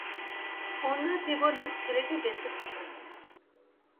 অন্য জীবনে ছেলেটি বেঁচে থাকে।